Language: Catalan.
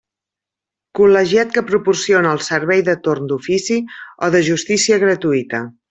Col·legiat que proporciona el servei de torn d'ofici o de justícia gratuïta.